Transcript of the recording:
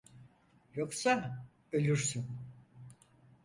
Yoksa ölürsün.